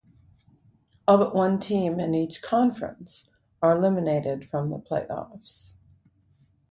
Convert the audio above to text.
All but one team in each conference are eliminated from the playoffs.